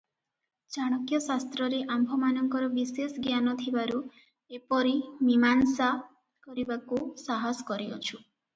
ଚାଣକ୍ୟ ଶାସ୍ତ୍ରରେ ଆମ୍ଭମାନଙ୍କର ବିଶେଷ ଜ୍ଞାନ ଥିବାରୁ ଏପରି ମୀମାଂସା କରିବାକୁ ସାହସ କରିଅଛୁଁ ।